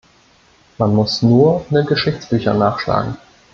Man muss nur in den Geschichtsbüchern nachschlagen.